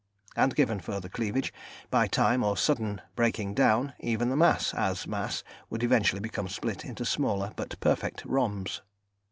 And given further cleavage, by time or a sudden breaking down, even the mass, as mass, would eventually become split into smaller but perfect rhombs.